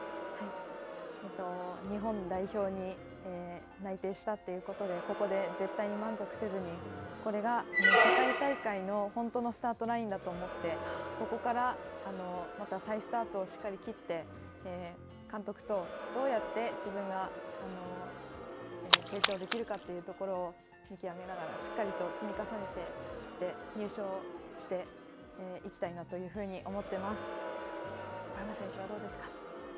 日本代表に内定したということで、ここで絶対に満足せずに、これが世界大会の本当のスタートラインだと思って、ここから、また再スタートをしっかり切って、監督とどうやって自分が成長できるかというところを見極めながら積み重ねていって、入賞していきたいなというふうに小山選手はどうですか。